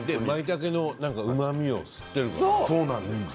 まいたけのうまみを吸っているからね。